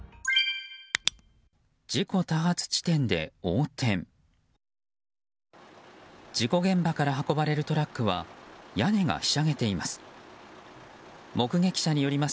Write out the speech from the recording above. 事故現場から運ばれるトラックは屋根がひしゃげています。